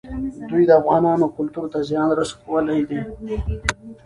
دوی د افغانانو کلتور ته زیان رسولی دی.